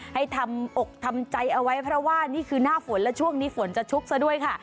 ให้ทำอกทำใจเอาไว้เพราะว่านี่คือหน้าฝนและช่วงนี้ฝนจะชุกซะด้วยค่ะ